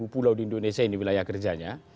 sepuluh pulau di indonesia ini wilayah kerjanya